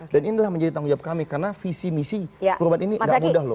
dan inilah menjadi tanggung jawab kami karena visi misi perubahan ini gak mudah loh